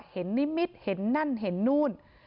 เห็นนิมิตเห็นนั่นเห็นนู่น